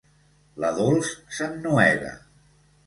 La Dols s'ennuega.